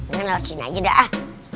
ngelosin aja dah